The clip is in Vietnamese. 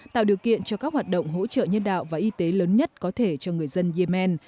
tạo điều kiện cho các hoạt động hỗ trợ nhân đạo và y tế lớn nhất có thể cho người dân yemen